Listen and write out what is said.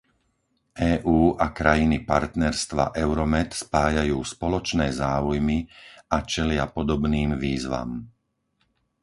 EÚ a krajiny partnerstva Euromed spájajú spoločné záujmy a čelia podobným výzvam.